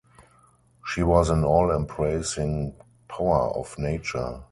She was an all-embracing power of nature.